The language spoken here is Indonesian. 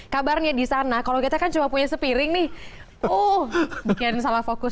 kabarnya di sana kalau kita kan cuma punya sepiring nih oh bikin salah fokus